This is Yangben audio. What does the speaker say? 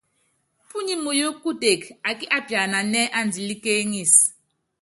Púnyi muyú kuteke akí apiananɛ́ andilɛ́ kéeŋísi.